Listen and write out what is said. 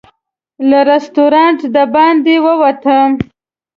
له رسټورانټ د باندې ووتم.